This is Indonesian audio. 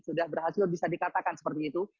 sudah berhasil bisa dikatakan seperti itu